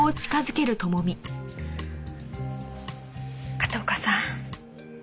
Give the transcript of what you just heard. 片岡さん。